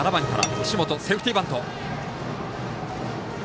岸本、セーフティーバント。